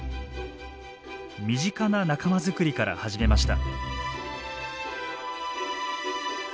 身近な仲間作りから始めました。